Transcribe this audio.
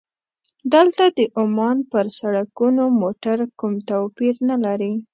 دلته د عمان پر سړکونو موټر کوم توپیر نه لري.